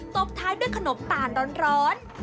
บท้ายด้วยขนมตาลร้อน